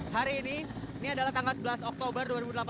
hari ini ini adalah tanggal sebelas oktober dua ribu delapan belas